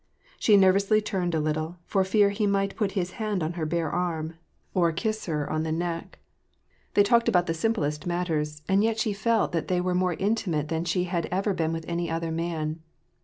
She nervously turned a little, for fear he might put his hand on her bare arm, or kiss * Karu99l / kostumakh* WAR AND PEACE. 347 her on the neck. They talked about the simplest matters, and yet she felt that thej were more intimate than she had ever been with any other man.